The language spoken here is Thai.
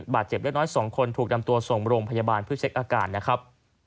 บาดเจ็บเล็กน้อย๒คนถูกนำตัวส่งโรงพยาบาลเพื่อเช็คอาการนะครับ